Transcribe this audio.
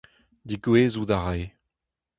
Degouezhout a rae.